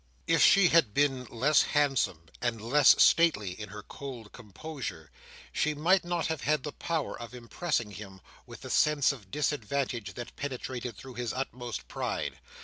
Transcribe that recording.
If she had been less handsome, and less stately in her cold composure, she might not have had the power of impressing him with the sense of disadvantage that penetrated through his utmost pride.